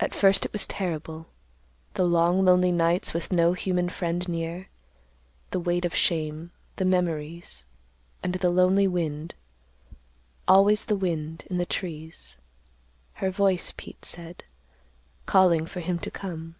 "At first it was terrible; the long, lonely nights with no human friend near; the weight of shame; the memories; and the lonely wind—always the wind—in the trees—her voice, Pete said, calling for him to come.